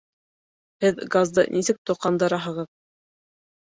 Һеҙ газды нисек тоҡандыраһығыҙ?